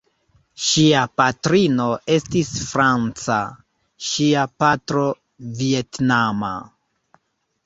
Ŝia patrino estis franca, ŝia patro vjetnama.